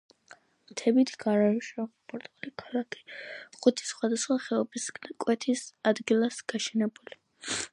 მთებით გარსშემორტყმული ქალაქი ხუთი სხვადასხვა ხეობის კვეთის ადგილასაა გაშენებული.